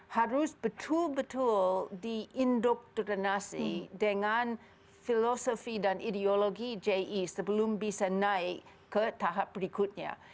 harus betul betul diindoktrinasi dengan filosofi dan ideologi ji sebelum bisa naik ke tahap berikutnya